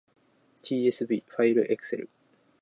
tsv ファイルエクセル